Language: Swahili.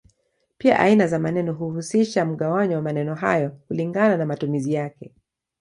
Pia aina za maneno huhusisha mgawanyo wa maneno hayo kulingana na matumizi yake.